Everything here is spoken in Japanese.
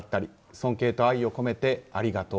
尊敬と愛を込めてありがとう。